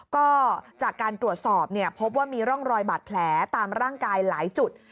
ก็จากการตรวจสอบพบว่ามีร่องรอยบาดแผลตามร่างกายหลายจุด